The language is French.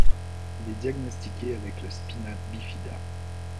Il est diagnostiqué avec le spina bifida.